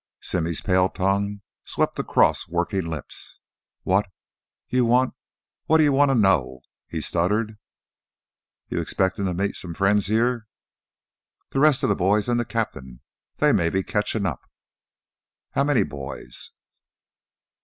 Simmy's pale tongue swept across working lips. "What ... you want wantta ... know?" he stuttered. "You expectin' to meet some friends heah?" "Th' rest o' the boys an' th' cap'n; they may be ketchin' up." "How many 'boys'?"